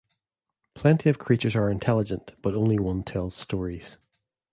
Plenty of creatures are intelligent but only one tells stories.